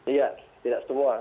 iya tidak semua